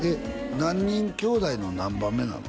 何人きょうだいの何番目なの？